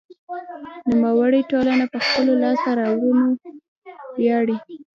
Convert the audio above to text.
نوموړې ټولنه په خپلو لاسته راوړنو ویاړي.